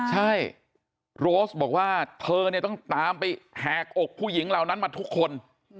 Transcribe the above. ใช่โรสบอกว่าเธอเนี่ยต้องตามไปแหกอกผู้หญิงเหล่านั้นมาทุกคน